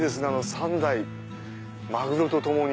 ３代マグロと共に。